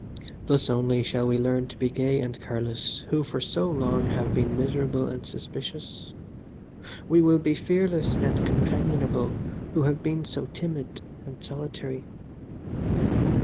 Thus only shall we learn to be gay and careless who for so long have been miserable and suspicious. We will be fearless and companionable who have been so timid and solitary.